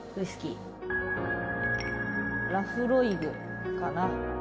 「ラフロイグかな」